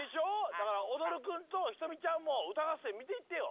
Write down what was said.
だからおどるくんとひとみちゃんもうたがっせんみていってよ。